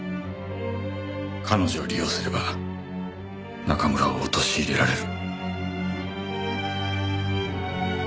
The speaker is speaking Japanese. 彼女を利用すれば中村を陥れられる。